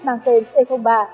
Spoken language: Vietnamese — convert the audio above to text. mang tên c ba